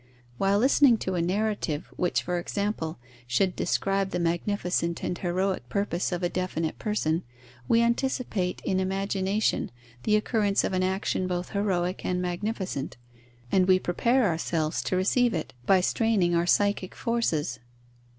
While listening to a narrative, which, for example, should describe the magnificent and heroic purpose of a definite person, we anticipate in imagination the occurrence of an action both heroic and magnificent, and we prepare ourselves to receive it, by straining our psychic forces.